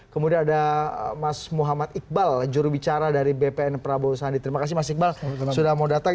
kemudian ada mas muhammad iqbal jurubicara dari bpn prabowo sandi terima kasih mas iqbal sudah mau datang